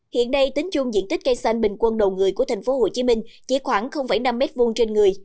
hiện đây tính chung diện tích cây xanh bình quân đầu người của tp hcm chỉ khoảng năm m hai trên người